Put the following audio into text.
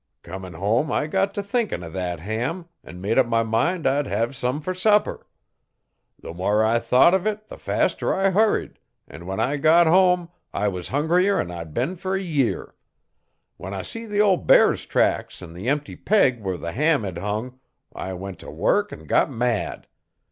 Comin' home I got t' thinkin' o' thet ham, an' made up my mind I'd hev some fer supper. The more I thought uv it the faster I hurried an' when I got hum I was hungrier'n I'd been fer a year. When I see the ol' bear's tracks an' the empty peg where the ham had hung I went t' work an' got mad.